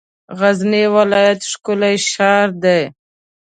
غزنی ولایت ښکلی شار دی.